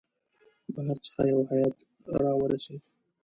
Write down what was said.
بهر څخه یو هیئات را ورسېد.